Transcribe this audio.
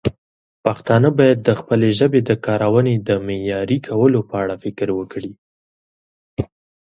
پښتانه باید د خپلې ژبې د کارونې د معیاري کولو په اړه فکر وکړي.